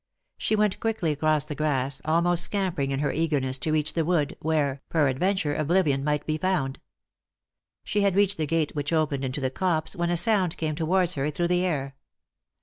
She went quickly across the grass, almost scampering in her eagerness to reach the wood, where, peradventure, oblivion might be found. She had reached the gate iS ;«y?e.c.V GOOglC THE INTERRUPTED KISS which opened into the copse when a sound came towards her through the air.